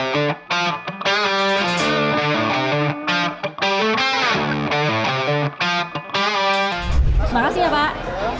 terima kasih ya pak